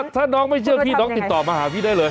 ถ้าน้องไม่เชื่อพี่น้องติดต่อมาหาพี่ได้เลย